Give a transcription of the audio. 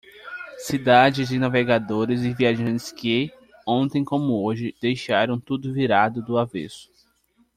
Cidade de navegadores e viajantes que, ontem como hoje, deixaram tudo virado do avesso.